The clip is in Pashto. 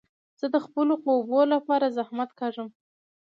زه د خپلو خوبو له پاره زحمت کاږم.